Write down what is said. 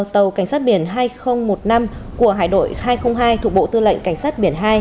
tàu cảnh sát biển hai nghìn một mươi năm của hải đội hai trăm linh hai thuộc bộ tư lệnh cảnh sát biển hai